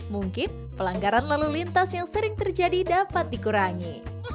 mungkin pelanggaran lalu lintas yang sering terjadi dapat dikurangi